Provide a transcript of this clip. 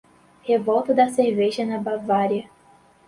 Revolta da Cerveja na Bavária